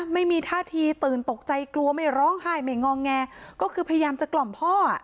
ไม่มีท่าทีตื่นตกใจกลัวไม่ร้องไห้ไม่งอแงก็คือพยายามจะกล่อมพ่อ